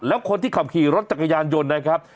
แล้วคนที่ขับขี่รถจักรยานยนต์นะครับ